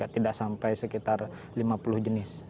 tidak sampai sekitar lima puluh jenis